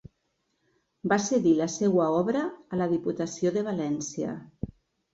Va cedir la seua obra a la Diputació de València.